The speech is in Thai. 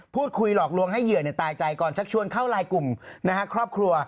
พูดคุยหลอกลวงให้เหยื่อตายใจก่อนชักชวนเข้าลายกลุ่มครอบครัว